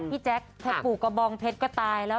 แจ๊คพอปลูกกระบองเพชรก็ตายแล้ว